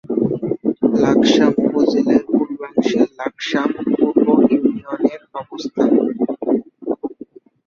লাকসাম উপজেলার পূর্বাংশে লাকসাম পূর্ব ইউনিয়নের অবস্থান।